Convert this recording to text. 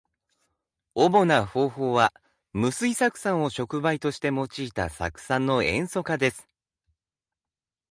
主な方法は、無水酢酸を触媒として用いた酢酸の塩素化です。